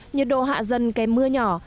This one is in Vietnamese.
nhiệt độ hạ dần kèm mưa nhỏ